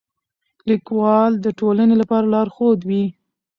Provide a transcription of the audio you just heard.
لیکوال د ټولنې لپاره لارښود وي.